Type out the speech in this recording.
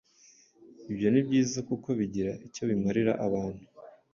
Ibyo ni byiza kuko bigira icyo bimarira abantu.